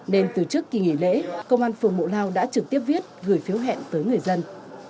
nên từ trước kỳ nghỉ lễ công an phường bộ lao đã trực tiếp viết gửi phiếu hẹn tới người dân